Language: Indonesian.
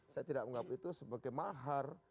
saya tidak menganggap itu sebagai mahar